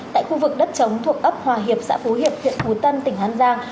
tại khu vực đất chống thuộc ấp hòa hiệp xã phú hiệp huyện phú tân tỉnh an giang